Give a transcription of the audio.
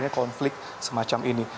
ini konflik semacam ini